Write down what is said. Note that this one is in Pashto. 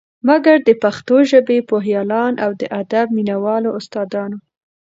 مګر د پښتو ژبې پوهیالان او د ادب مینه والو استا دانو